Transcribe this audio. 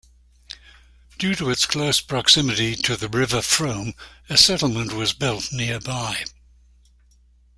Due to its close proximity to the River Frome a settlement was built nearby.